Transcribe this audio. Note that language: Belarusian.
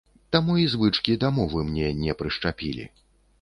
Таму і звычкі да мовы мне не прышчапілі.